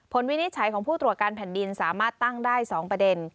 วินิจฉัยของผู้ตรวจการแผ่นดินสามารถตั้งได้๒ประเด็น